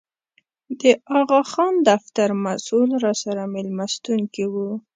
د اغاخان دفتر مسوول راسره مېلمستون کې و.